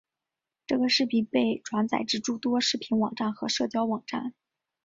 这个视频被转载至诸多视频网站和社交网站。